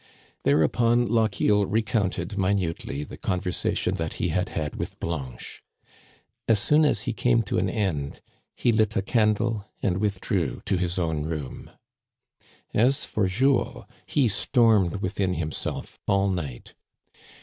Thereupon Lochiel recounted minutely the conver sation that he had had with Blanche. As soon as he came to an end he lit a candle and withdrew to his own room. As for Jules, he stormed within himself all night.